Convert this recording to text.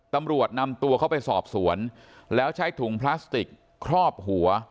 ตำรวจนำตัวเขาไปสอบสวนแล้วใช้ถุงพลาสติกครอบหัว